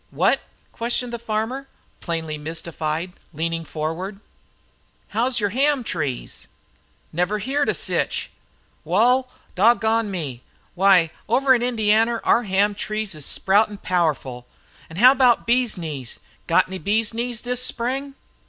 "Whet?" questioned the farmer, plainly mystified, leaning forward. "How's yer ham trees?" "Never heerd of sich." "Wal, dog gone me! Why, over in Indianer our ham trees is sproutin' powerful. An' how about bee's knees? Got any bee's knees this Spring?"